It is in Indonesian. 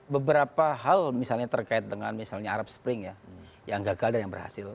beberapa hal misalnya terkait dengan misalnya arab spring ya yang gagal dan yang berhasil